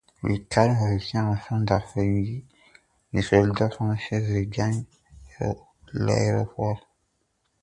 Le calme revient en fin après-midi, les soldats français regagnent l'aéroport.